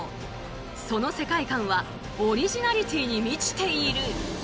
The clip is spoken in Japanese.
その世界観はオリジナリティーに満ちている。